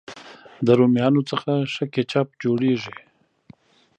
د رومیانو څخه ښه کېچپ جوړېږي.